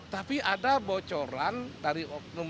tapi ada bocoran dari